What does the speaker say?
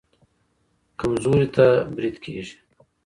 کمزوري ته بريد کېږي.